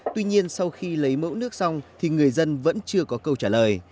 tuy nhiên sau khi lấy mẫu nước xong thì người dân vẫn chưa có câu trả lời